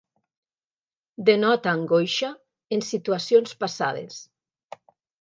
Denota angoixa en situacions passades.